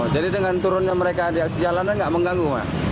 jadi dengan turunnya mereka di aksi jalanan tidak mengganggu